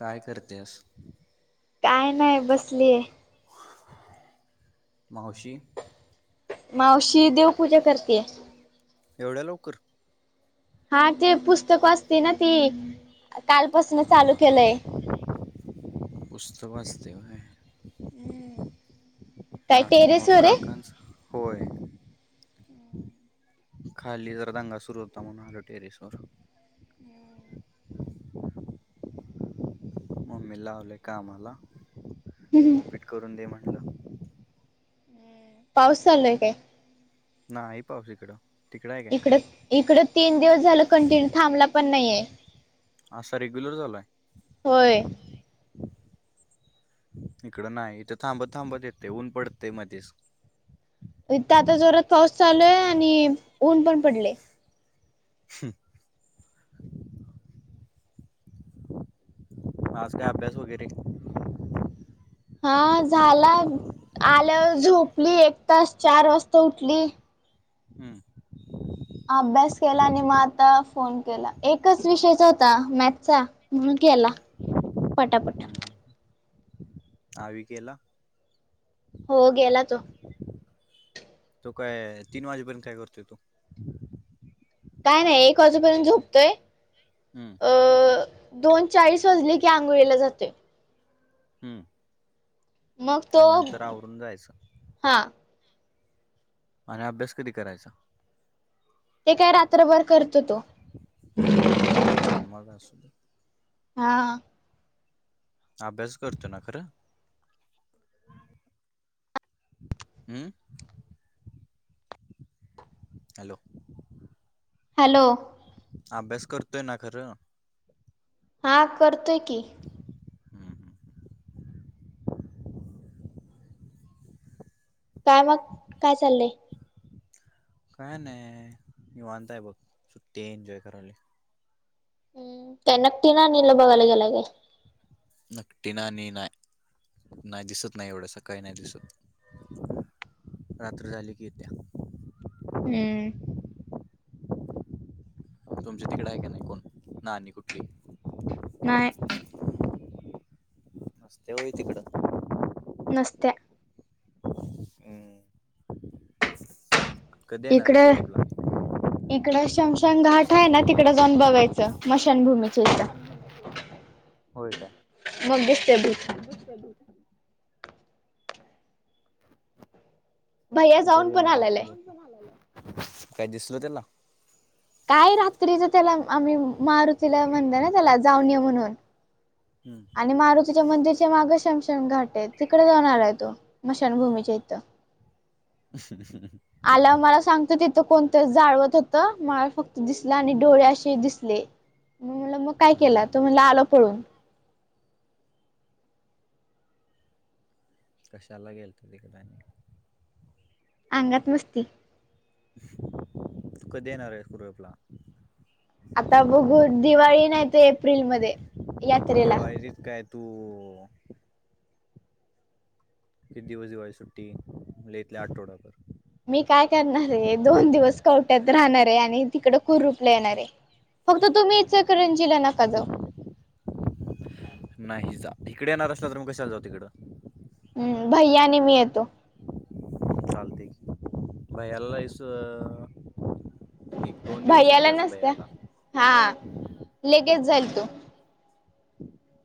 काय करत्यास? काय नाय बसलीय. मावशी मावशी देवपूजा करतीये. एवढ्या लवकर! हा ते पुस्तकं असती ना ती, कालपासूनच हा चालू हा केलंय. हा पुस्तक वाचते होय. हूं.... बाकी मग काका [unintelligible] होय. खाली जरा दंगा सुरू होता, म्हणून आलो टेरेसवर. मम्मीला लावलयं कामाला, हंहू.. उपीट करून दे म्हणलं. पाऊस चालू हाय काय? नाही पाऊस इकडं. तिकडं आहे काय इकडं इकड तीन दिवस झालं कंटिन्यू थांबला पण नाहीये. असा रेग्युलर चालू आहे. होय. इकडं नाही, इथं थांबत-थांबत येतेय, ऊन पडतयं मध्येच. इथ आता जोरात पाऊस चालू आहे आणि ऊन पण पडलेय. ह््् आज काय अभ्यास वगैरे, हा झाला, आल्यावर झोपली एक तास, चार वाजता उठली. हं... अभ्यास केला आणि मग आता फोन केला एकच विषयचा होता मॅथचा. म्हणून केला पटा-पटा. हम्म हम्म. आवी गेला.? हो गेला तो. तो काय तीन वाजेपर्यंत काय करतोय तो? काय नाही एक वाजूपर्यंत झोपतोय, ह.. अ दोन चाळीस वाजले की, आंघोळीला जातोय. हं... मग तो... आवरून जायचं हा. आणि अभ्यास कधी करायचा? ते काय रात्रभर करतो तो. हम्म मग असू दे. हा. अभ्यास करतो ना खरं? हूं... हॅलो. हॅलो. अभ्यास करतोय ना खरं? हा करतोय की. हम्म हम्म. [inaudible] काय मग काय चाललंय? काय नाही निवांत आहे बघं, सुट्टी एंन्जॉय करालोय. हम्म, त्या नकटी नानीला बघायला गेला काय? नकटी नानी नाही. नाही दिसत नाही एवढ्या सकाळी नाही दिसत, रात्र झाली की येत्या. हम्म. तुमच्या तिकडं आहे का नाही कोण नानी कुठली नाही. नसत्या होय तिकडं. नसत्या. हम्म. कधी येणार आहे कूळद ला? इकडं शमशान घाट आहे ना तिकडं जाऊन बघायचं. जवळ इथं मशान भूमीच्या इकडं, होय काय. मग दिसते भूत. दिसते भूत. भैया तु कधी जाऊन पण येणारे आलेला आहे इकडं? काय दिसल त्याला काय रात्रीच त्याला आम्ही मारुतीला म्हणल ना त्याला जाऊन ये म्हणून हम्म. आणि मारुतीच्या मंदिरचे माग शमशन घाट आहे तिकडे जाऊन आला आहे तो मशानभूमीच्या इथं. [unintelligible] आल्यावर मला सांगतो तिथं कोणतर जाळवत होतं मला फक्त दिसलं आणि डोळे असे दिसले. मग मी म्हणलो मग काय केला तो हम्म म्हणला आलो पळून. कशाला गेलता तिकडं आणि अंगात मस्ती. तु कधी येणार आहे सुरतला? आता बघू दिवाळी नाहीतर एप्रिलमध्ये यात्रेला. त्याच्यात काय तू किती दिवस दिवाळी सुट्टी लईत लई आठवड्याभर. मी काय करणार आहे दोन दिवस कवट्यात राहणार आहे आणि तिकडं कुरुपला येणार आहे. फक्त तुम्ही हम्म इचकरंजीला नका जाऊ. नाही जात इकडे येणार असला तर मग कशाला जाऊ तिकडं. हम्म भैय्या आणि मी येतो. चालतंय की, भैय्याला लायसन एक दोन दिवस सुट्टी भैयाला असेल नसत्या भैयाला, मग. गेलतो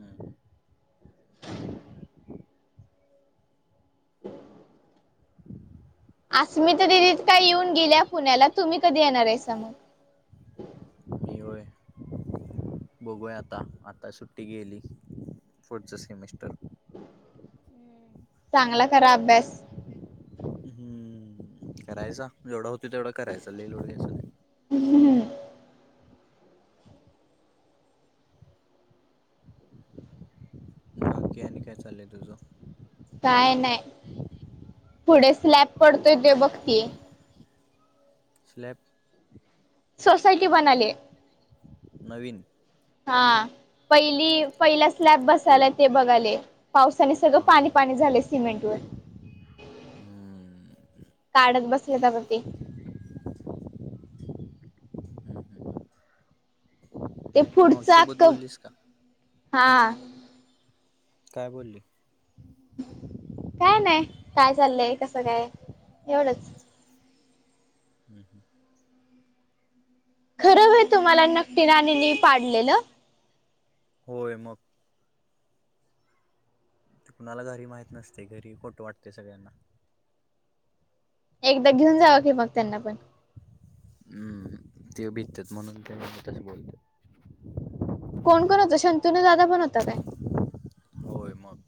हम्म, [inaudible] सुमिता दिदी [unintelligible] काय येऊन गेल्या पुण्याला तुम्ही कधी येणार आहे सा? मी होय बघूया आता, आता सुट्टी गेली फुडचं सेमिस्टर. [unintelligible] चांगला करा अभ्यास. हम्म करायचा जेवढा होतोय तेवढा करायचा लय लोड घ्यायचा नाही. ह ह. [inaudible] बाकी आणि काय चाललंय तुझं? काय नाही पुढे स्लॅप पडतोय ते बघती आहे. स्लॅप. सोसायटी बनायलीए. नवीन. हा पहिली पहिला स्लॅप बसायलाय ते बघायले. पावसाने सगळं हां पाणी हां पाणी झालय सिमेंट वर. हम्म. काढत बसल्यात आता ते. हम हम हम. ते पुढचं मावशीसोबत आक्क बोललीस का? हा. काय बोलली? काय नाही काय चाललंय, कसं काय एवढंच. हम् हम. खरं होय तुम्हाला नकटी नानीनी पाडलेलं? होय मग. कुणाला घरी माहित नसतय घरी खोटं वाटतय सगळ्यांना. एकदा घेऊन जावं की मग त्यांना पण. हम्म ते भितेत म्हणून तेना तसं बोलतेत. कोण कोण होत शंतूनू दादा पण होता काय? होय मग.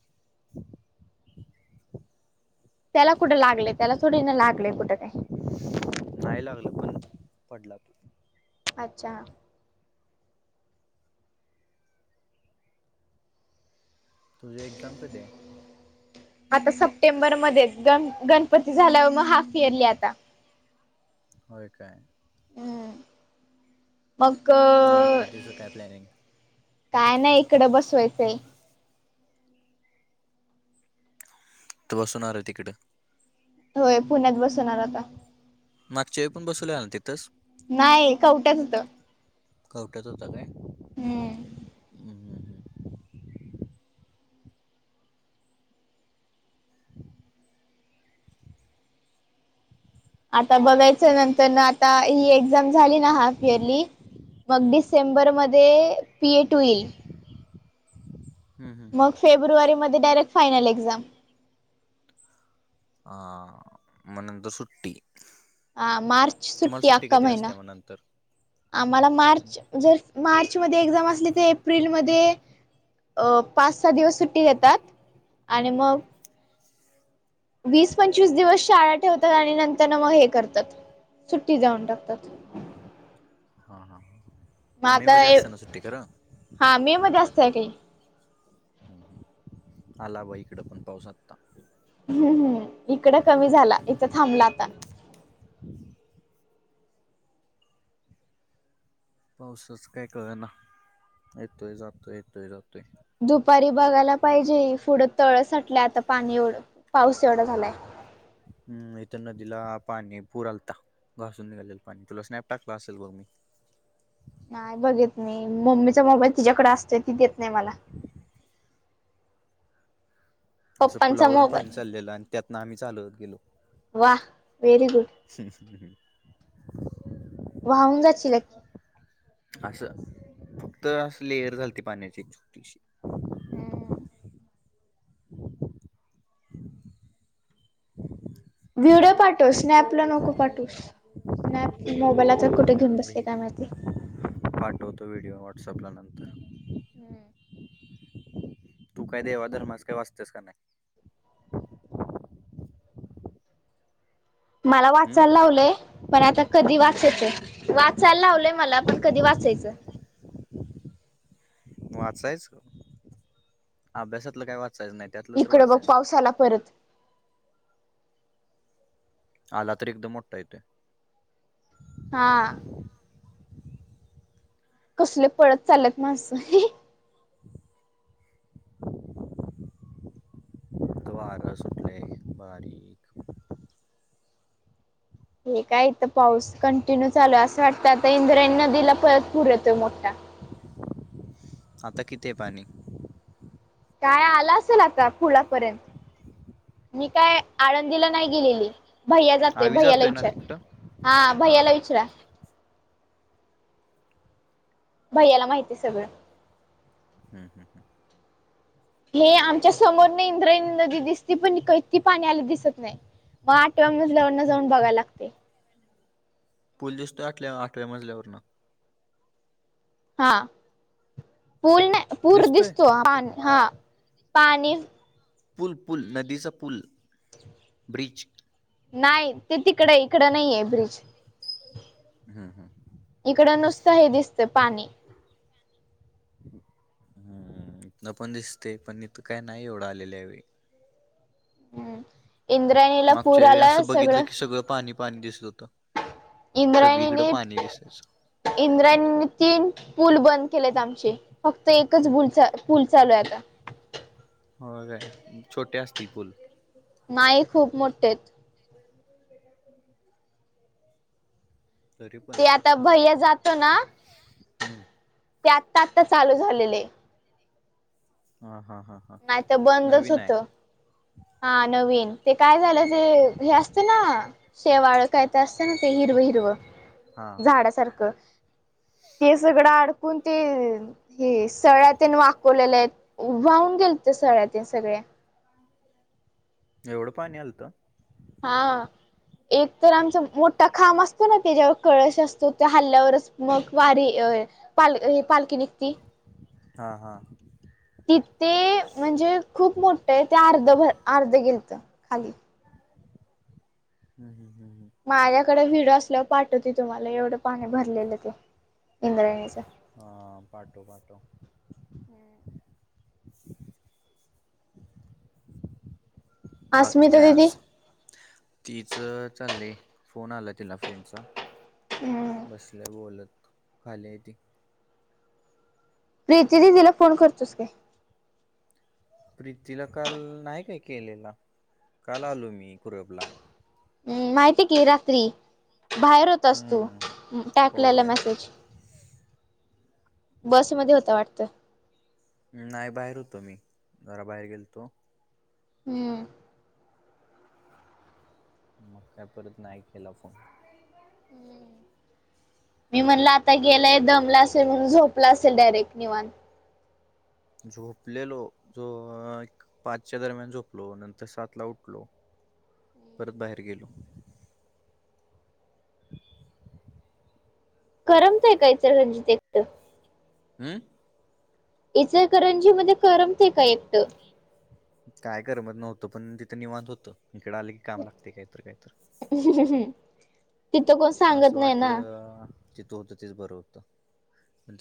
त्याला कुठं लागलंय त्याला थोडीनं लागलेय कुठं काय? नाही लागलं पण पडला तो. अच्छा. तुझी एक्झाम कधी आहे? आता सप्टेंबरमध्ये ग गणपती झाल्यावर मग हाफ इयरली आता. होय काय? ह मग गणपतीचं काय प्लॅनिंग? काय नाही इकडं बसवायचंय. तू बसवणार आहे होय तिकडं? होय पुण्यात बसवणार आता. मागच्यावेळी पण बसवलेला ना तिथंच? नाही कवठ्यात होत. कवट्यात होता काय? हम्. ह हम. [inaudible] आता बघायचं नंतर ना आता ही एक्झाम झाली ना हाफ इयरली मग हम्म डिसेंबर मध्ये पीए टू येईल. हम्म हम्म मग फेब्रुवारी मध्ये डायरेक्ट फायनल एक्झाम. अ म नंतर सुट्टी. हा मार्च तुम्हाला सुट्टी अक्का कधी महिना असते मग नंतर? आम्हाला मार्च जर मार्चमध्ये एक्झाम असली तर एप्रिलमध्ये अ पाच सहा दिवस सुट्टी देतात आणि हम्म मग वीस पंचवीस दिवस शाळा ठेवतात आणि नंतर न मग हे करतात सुट्टी देऊन टाकतात हा हा मग मे आता मध्ये असत्या ना सुट्टी खर हा मे मध्ये असतय काही आला ब इकड पण पाऊस आत्ता हू हू इकडं कमी झाला इथं थांबला आता पावसाच काय कळना येतोय जातोय येतोय जातोय दुपारी बघायला पाहिजे पुढं तळ साटलंय आता पाणी एवढं पाऊस एवढा झालाय हू इत नदीला पाणी पूर आलता घासून निघालेल पाणी तुला स्नॅप टाकलं असेल बघ मी नाही बघित मी मम्मीचा मोबाईल तिच्याकड असतोय ती देत नाही मला असं पप्पांचा पुलावरून मोबाईल. पाणी चाललेलं आणि त्यातन आम्ही चालत गेलो वा व्हेरी गुड हू हू वाहून जाशीला असं फक्त अस लेअर झालती पाण्याची छोटीशी हू हू व्हिडिओ पाठव स्नॅपला नको पाठवू स्नॅप मोबाईल आता कुठ हम्म, व्हिडिओ पाठवतो व्हिडिओ व्हॉट्सअपला नंतर हू तू काय देवाधर्माच काय वाचत्यास का नाही मला वाचायला हम्म? लावलंय पण आता कधी हम्म. वाचायचं वाचायला लावलंय मला पण कधी वाचायचं वाचायच अभ्यासातलं काय वाचायचं नाही त्यातलं तर इकड बग वाचायचं पाऊस आला परत आला तर एकदम मोठा येतोय हा कसली पळत चालल्यात माणसं [inaudible] इथ वारा सुटलाय बारीक हे काय इथ पाऊस कंटिन्यू चालूय असं वाटतंय आता इंद्रायणी नदीला परत पुर येतोय मोठा आता किती आहे पाणी काय आला असेल आता पुलापर्यंत मी काय आळंदीला नाही गेलेली भैया जातोय आवी भैयाला ना विचार तिकडं हा भैयाला विचरा भैयाला माहितीय सगळं हू हू हू ही आमच्या समोरन इंद्रायणी नदी दिसती पण कैती पाणी आली दिस दिसत नाही म आठव्या मजल्यावरण जाऊन बघायला लागत पूल दिसतो आठल्या आठव्या मजल्यावरन हा पूल नाही पूर दिसतोय दिसतो पान हा पाणी पुल पुल नदीचां पुल [inaudible] ब्रिज नाही ते तिकडय इकडं नाहीये बजं हम्म, हम्म. इकडं नुसतं हे दिसतं पाणी हम्मं हं हम्मं इथं नां पणं दिसते पणं इथं कायं नाहीं एवढं आलेल्या आहे हम्मं इंद्रायणीला मागच्या पूरं वेळी आंला असं बघितलं सगळं की सगळं पाणी पाणी दिसलतं इंद्रायणीने इंद्राणीने तीन पूलं बंद केलेत आमचे फक्तं एकचं भुलचं पूलं चालूं आहे आंता होयं कायं छोटे असतील पूलं नाहीं खूंप मोठेेयेतं ते आंता भैया जातो नां हम्मं ते आंत्ता आंत्ता चालूं झालेले. हां, हां, हां. नाहीं तरं बंदचं होतं. हां नवीन ते कायं झालं ते हे असतं नां शेवाळं कायं कायं असतयं नां ते हिरवं हिरवं हा झाडांसारखं ते सगळं अडकूंन ते हे सळ्यां तेन वाकवलेल्या आहेतं वाहूंन गेलत्यां सळ्यां तेनं सगळ्यां एवढं पाणी आलतं हां एक तरं आमचं मोठां खांब असतो नां तेच्यांवर कळंश असतो त्यां हल्ल्यांवरचं मंग वारी पाल पालखी निघती हां, हां. कि ते म्हणजे खूंप मोठं आहे ते अर्ध भ अर्ध गेलतं खाली हम्मं हम्म हम्मं हमं माझ्यांकडे विडो असल्यांवर पाठवते तुम्हांला एवढं पाणी भरलेलं ते इंद्रायणीचं हां पाठवं पाठवं. बाकी अस्मिता कायं दिदी आंस तिचं चाललयं फोन आलायं तिलां फ्रेंडचां हम्म बसलेयं बोलतं खालीयं ती प्रीती दीदीलां फोन करतोस कायं? प्रीतीला कांल नाहीं कायं केलेला कांल आंलो मी पुरबला हम्मं माहितीय कि रात्री बाहेरं हो होतांस हम्म तूं टाकलेला होय मेसेज बसंमध्यें होतां वाटतं. नाहीं बाहेर होतो मी जरां बाहेर गेलतो. हम्मं. मंग कायं परंत नाहींये केलां फोन हम्म. [inaudible] [unintelligible] मी म्हणलं आंता गेलांय दमलां असेल म्हणूंन झोपलां असेल डायरेक्ट निवानत झोपलेलो जो एक पांचच्या दरम्यांन झोपलो नंतर सातला उठलो परंत बाहेर गेलो. गरमं फेकांयचं इचलकरंजीत एकटं हम्मं. इचलकरंजी मध्यें करमते कां एकटं काय करमत नव्हतं पण तिथ निवांत होतं हिकडं आलं की काम लागतयं कायतर कायतर. तिथं कोण सांगत असं नाय ना. वाटलं तिथं होतं तेच बरं होतं. पण